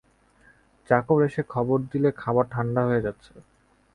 চাকর এসে খবর দিলে খাবার ঠাণ্ডা হয়ে যাচ্ছে।